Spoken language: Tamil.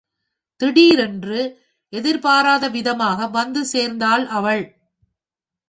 திடீரென்று, எதிர்பாராத விதமாக வந்து சேர்ந்தாள் அவள்.